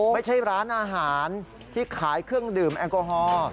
ไม่ใช่ร้านอาหารที่ขายเครื่องดื่มแอลกอฮอล์